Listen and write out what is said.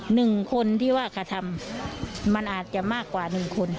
หนึ่งคนที่ว่ากระทำมันอาจจะมากกว่าหนึ่งคน